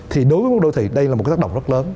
thì đối với một đô thị đây là một cái tác động rất lớn